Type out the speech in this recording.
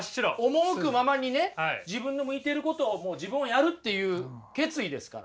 赴くままにね自分の向いていることをもう自分はやるっていう決意ですから。